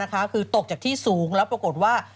คือตกจากที่สูงแล้วปรากฏว่า